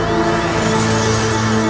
baik ayahanda prabu